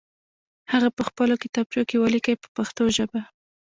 هغه په خپلو کتابچو کې ولیکئ په پښتو ژبه.